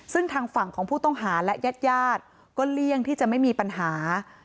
ซึ่งทางฝั่งของผู้ต้องหาและญาติญาติก็เลี่ยงที่จะไม่มีปัญหา